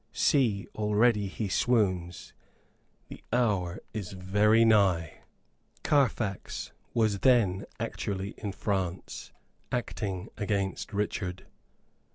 See, already he swoons the hour is very nigh!" [Footnote A: Carfax was then actually in France, acting against Richard.